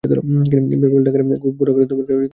বেলেডাঙার বুধো গাড়োয়ানকে তোমরা দেখোচা কেউ?